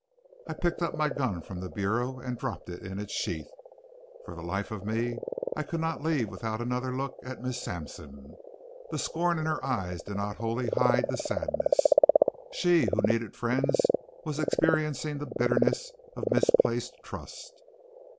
I picked up my gun from the bureau and dropped it in its sheath. For the life of me I could not leave without another look at Miss Sampson. The scorn in her eyes did not wholly hide the sadness. She who needed friends was experiencing the bitterness of misplaced trust.